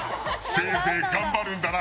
せいぜい頑張るんだな！